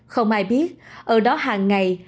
không ai biết ở đó hàng ngày